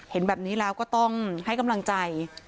เห็นแบบนี้แล้วก็ต้องให้กำลังใจ